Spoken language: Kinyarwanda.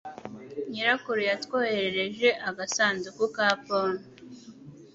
Nyirakuru yatwoherereje agasanduku ka pome.